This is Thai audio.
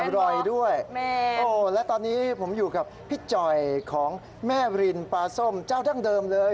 อร่อยด้วยและตอนนี้ผมอยู่กับพี่จ่อยของแม่รินปลาส้มเจ้าดั้งเดิมเลย